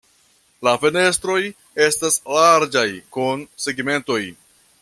La fenestroj estas larĝaj kun segmentoj.